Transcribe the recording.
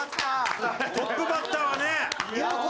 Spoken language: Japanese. トップバッターはね。